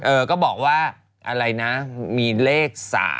เออก็บอกว่าอะไรนะมีเลข๓